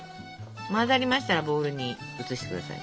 混ざりましたらボウルに移してください。